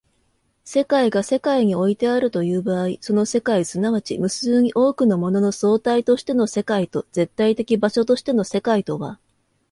世界が世界においてあるという場合、その世界即ち無数に多くのものの総体としての世界と絶対的場所としての世界とは